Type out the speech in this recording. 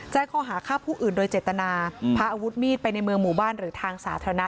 ข้อหาฆ่าผู้อื่นโดยเจตนาพาอาวุธมีดไปในเมืองหมู่บ้านหรือทางสาธารณะ